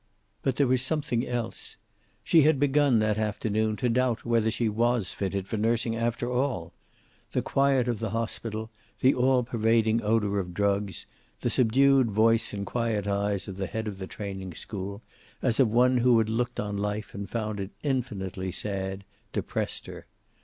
But there was something else. She had begun, that afternoon, to doubt whether she was fitted for nursing after all. The quiet of the hospital, the all pervading odor of drugs, the subdued voice and quiet eyes of the head of the training school, as of one who had looked on life and found it infinitely sad, depressed her.